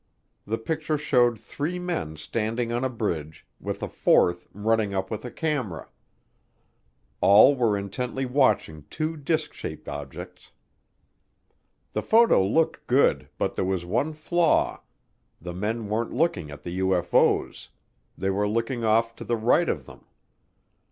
The picture showed three men standing on a bridge, with a fourth running up with a camera. All were intently watching two disk shaped objects. The photo looked good, but there was one flaw, the men weren't looking at the UFO's; they were looking off to the right of them.